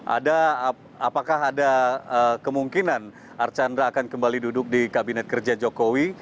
apakah ada kemungkinan archandra akan kembali duduk di kabinet kerja jokowi